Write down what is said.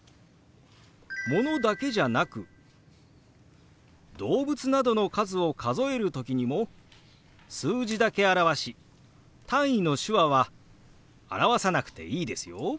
ものだけじゃなく動物などの数を数える時にも数字だけ表し単位の手話は表さなくていいですよ。